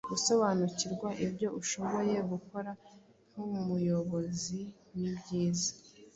gusobanukirwa ibyo ushoboye gukora nk’umuyobozi ni byiza